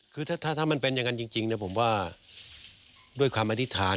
คือถ้ามันเป็นอย่างนั้นจริงผมว่าด้วยความอธิษฐาน